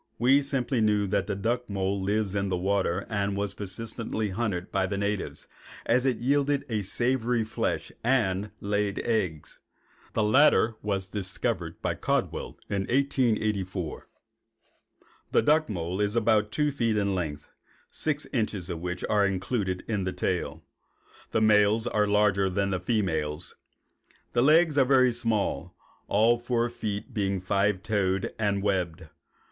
We simply knew that the duck mole lives in the water and was persistently hunted by the natives, as it yielded a savory flesh and laid eggs. The latter discovery was made by Caldwell in 1884. The duck mole is about two feet in length, six inches of which are included in the tail. The males are larger than the females. The legs are very small, all four feet being five toed and webbed.